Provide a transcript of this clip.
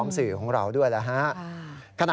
ฟังเสียงคุณฟอร์กันนี่โมฮามัทอัตซันนะครับ